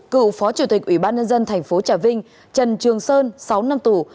cựu phó chủ tịch ủy ban nhân dân thành phố trà vinh trần trường sơn sáu năm tù